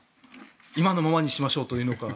今のままにしましょうと言うのか。